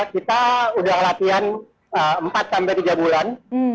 kita udah latihan empat sampai tiga bulan